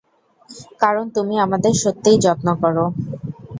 কারণ তুমি আমাদের সত্যিই যত্ন করো।